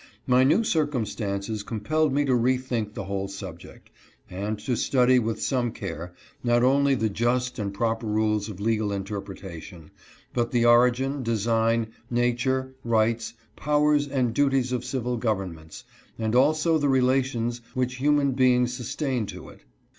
My new circumstances compelled me to re think the whole subject, and to study with some care not only the just and proper rules of legal interpretation, but the origin, design, nature, rights, powers, and duties of civil governments, and also the relations which human beings sustain to it.